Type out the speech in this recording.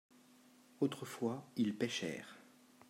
autrefois ils pêchèrent.